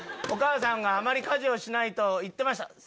「お母さんがあまり家事をしないと言っていました。